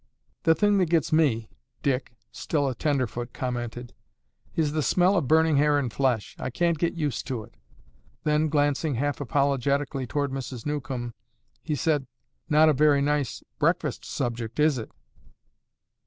"The thing that gets me," Dick, still a tenderfoot, commented, "is the smell of burning hair and flesh. I can't get used to it." Then, glancing half apologetically toward Mrs. Newcomb, he said, "Not a very nice breakfast subject, is it?"